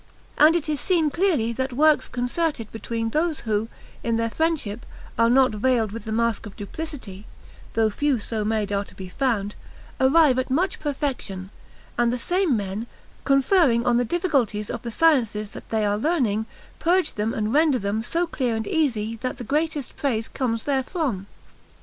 And it is seen clearly that works concerted between those who, in their friendship, are not veiled with the mask of duplicity (although few so made are to be found), arrive at much perfection; and the same men, conferring on the difficulties of the sciences that they are learning, purge them and render them so clear and easy that the greatest praise comes therefrom.